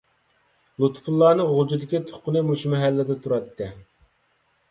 لۇتپۇللانىڭ غۇلجىدىكى تۇغقىنى مۇشۇ مەھەللىدە تۇراتتى.